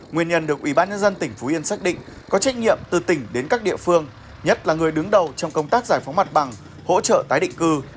nguyên nhân được ủy ban nhân dân tỉnh phú yên xác định có trách nhiệm từ tỉnh đến các địa phương nhất là người đứng đầu trong công tác giải phóng mặt bằng hỗ trợ tái định cư